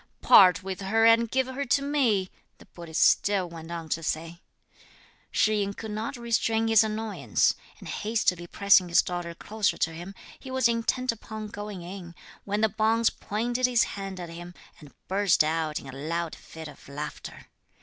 "Part with her and give her to me," the Buddhist still went on to say. Shih yin could not restrain his annoyance; and hastily pressing his daughter closer to him, he was intent upon going in, when the bonze pointed his hand at him, and burst out in a loud fit of laughter.